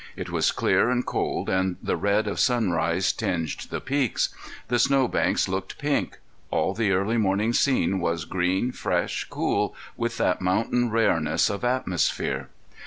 It was clear and cold and the red of sunrise tinged the peaks. The snow banks looked pink. All the early morning scene was green, fresh, cool, with that mountain rareness of atmosphere.